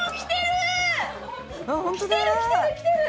きてる！